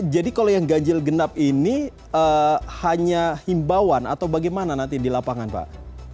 jadi kalau yang ganjil genap ini hanya himbauan atau bagaimana nanti di lapangan pak